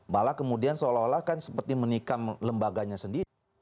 malah kemudian seolah olah kan seperti menikam lembaganya sendiri